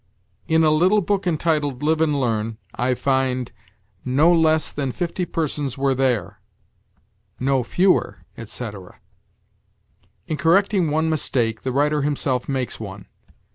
In a little book entitled "Live and Learn," I find, "No less than fifty persons were there; No fewer," etc. In correcting one mistake, the writer himself makes one.